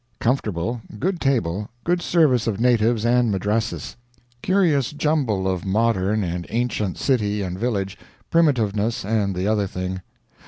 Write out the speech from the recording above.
Comfortable, good table, good service of natives and Madrasis. Curious jumble of modern and ancient city and village, primitiveness and the other thing.